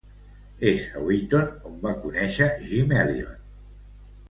És a Wheaton on va conèixer Jim Elliot.